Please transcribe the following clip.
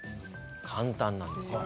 簡単なんです。